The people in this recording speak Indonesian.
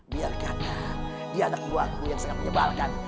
biar kata di atas buahku yang sangat menyebalkan